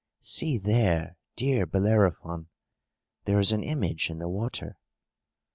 "See there, dear Bellerophon! There is an image in the water!"